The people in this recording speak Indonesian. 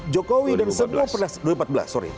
jokowi dan semua penasihatnya